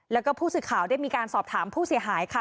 แล้วก็ผู้สื่อข่าวได้มีการสอบถามผู้เสียหายค่ะ